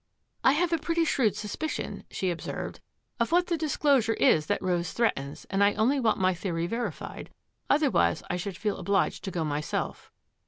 " I have a pretty shrewd suspicion," she ob served, " of what the disclosure is that Rose threatens, and I only want my theory verified; otherwise I should feel obliged to go myself."